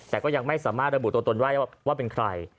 แต่ก็ยังไม่สามารถระบุตัวตนได้ว่าเป็นใคร